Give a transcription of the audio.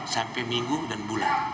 sampai minggu dan bulan